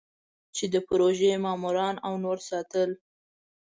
چې د پروژې ماموران او نور ساتل.